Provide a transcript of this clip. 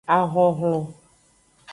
Ahonhlon.